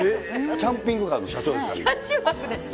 キャンピングカーの社長でございますから。